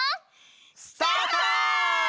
スタート！